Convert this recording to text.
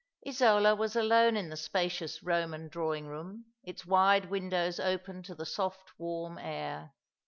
, IsoLA was alone in the spacious Eoman drawing room, its wide windows open to the soft, warm air.